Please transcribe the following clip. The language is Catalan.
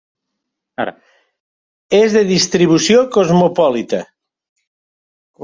És de distribució cosmopolita.